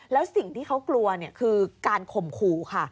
แล้วสิ่งที่เขากลัวคือการข่มขู่ค่ะ